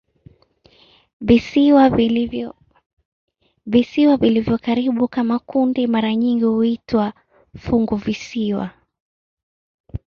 Visiwa vilivyo karibu kama kundi mara nyingi huitwa "funguvisiwa".